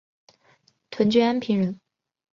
涿郡安平人。